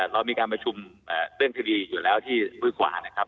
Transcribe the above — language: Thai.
เรามีการประชุมเรื่องคดีอยู่แล้วที่มือขวานะครับ